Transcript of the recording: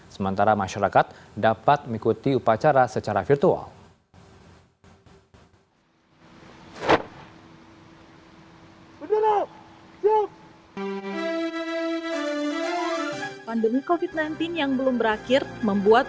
sementara masyarakat dapat mengikuti upacara secara virtual